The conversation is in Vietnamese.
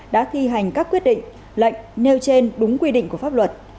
đã thi hành các quyết định lệnh nêu trên đúng quy định của pháp luật